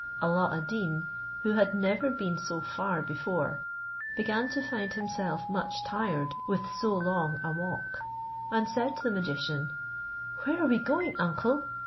Alla ad Deen, who had never been so far before, began to find himself much tired with so long a walk, and said to the magician, "Where are we going, uncle?